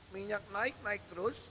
minyak naik naik terus